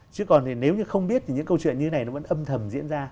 chứ còn thì nếu như không biết thì những câu chuyện như thế này nó vẫn âm thầm diễn ra